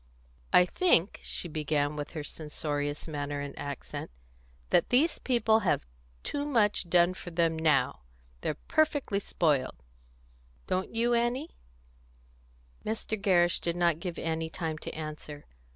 "I think," she began, with her censorious manner and accent, "that these people have too much done for them now. They're perfectly spoiled. Don't you, Annie?" Mr. Gerrish did not give Annie time to answer.